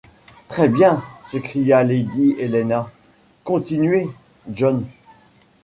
Très-bien, s’écria lady Helena ; continuez, John.